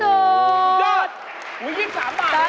สุดท้ายยยยด้วยนี่สามบาทนี่ใช่ไหมครับ